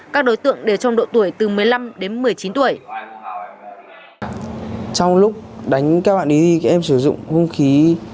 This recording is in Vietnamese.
các đối tượng đều trong độ tuổi từ một mươi năm đến một mươi chín tuổi